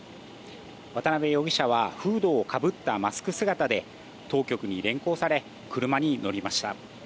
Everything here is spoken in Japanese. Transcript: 渡辺容疑者はフードをかぶったマスク姿で当局に連行され、車に乗りました。